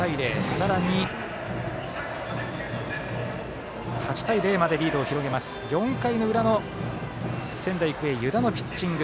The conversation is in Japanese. さらに８対０までリードを広げて４回の裏の仙台育英湯田のピッチング。